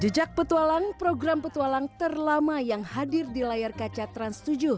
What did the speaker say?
jejak petualang program petualang terlama yang hadir di layar kaca trans tujuh